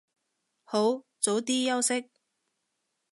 好，早啲休息